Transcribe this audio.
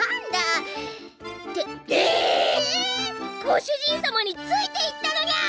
ご主人様についていったのニャ！